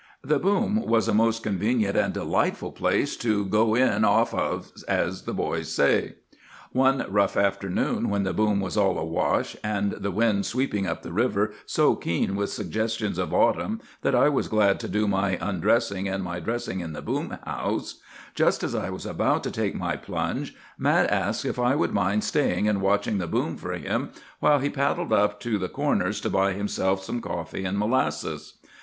The boom was a most convenient and delightful place 'to go in off of,' as the boys say. "One rough afternoon, when the boom was all awash, and the wind sweeping up the river so keen with suggestions of autumn that I was glad to do my undressing and my dressing in the boom house, just as I was about to take my plunge Mat asked if I would mind staying and watching the boom for him while he paddled up to "the Corners" to buy himself some coffee and molasses.